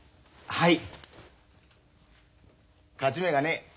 はい。